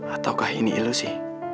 ataukah ini ilusi